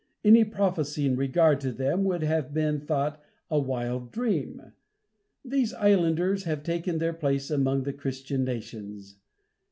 Any prophecy in regard to them would have been thought a wild dream. These islanders have taken their place among the Christian nations.